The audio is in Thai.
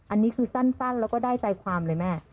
อันนี้คือสั้นแล้วก็ได้ใจความเลยแม่